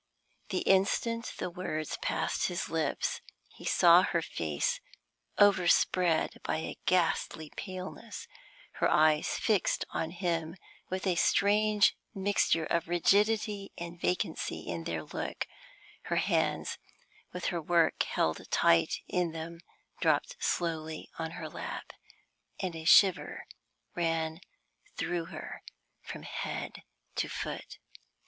The instant the words passed his lips he saw her face overspread by a ghastly paleness; her eyes fixed on him with a strange mixture of rigidity and vacancy in their look; her hands, with her work held tight in them, dropped slowly on her lap, and a shiver ran through her from head to foot.